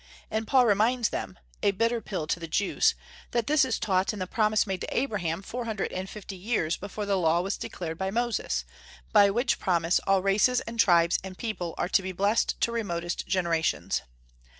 And Paul reminds them, a bitter pill to the Jews, that this is taught in the promise made to Abraham four hundred and fifty years before the Law was declared by Moses, by which promise all races and tribes and people are to be blessed to remotest generations.